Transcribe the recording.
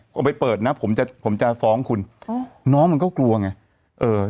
พอไปเปิดนะผมจะฟ้องคุณน้องมันก็กลัวไง